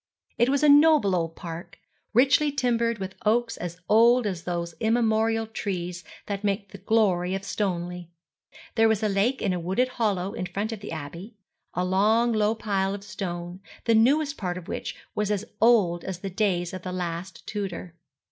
It was a noble old park, richly timbered with oaks as old as those immemorial trees that make the glory of Stoneleigh. There was a lake in a wooded hollow in front of the Abbey, a long low pile of stone, the newest part of which was as old as the days of the last Tudor.